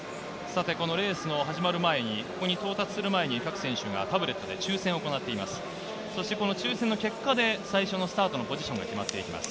レースの始まる前に到達する前に各選手がタブレットで抽選を行っています。